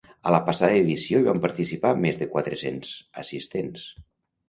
A la passada edició hi van participar més de quatre-cents assistents.